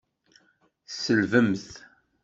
Tselbemt.